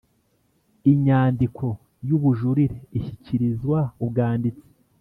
Inyandiko y ubujurire ishyikirizwa ubwanditsi